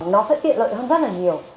nó sẽ tiện lợi hơn rất là nhiều